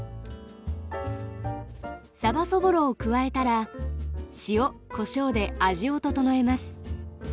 さばそぼろを加えたら塩・こしょうで味を調えます。